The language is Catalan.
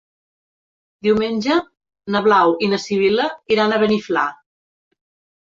Diumenge na Blau i na Sibil·la iran a Beniflà.